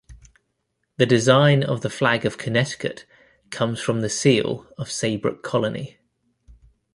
The design of the Flag of Connecticut comes from the seal of Saybrook Colony.